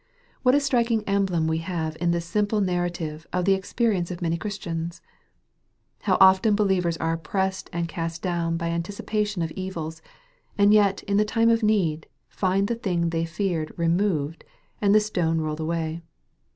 What a striking emblem we have in this simple narra tive, of the experience of many Christians! How often believers are oppressed and cast down by anticipation pf evils, and yet, in the time of need, find the thing they feared removed, and the " stone rolled away."